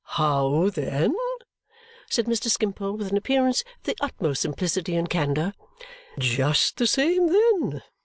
"How then?" said Mr. Skimpole with an appearance of the utmost simplicity and candour. "Just the same then!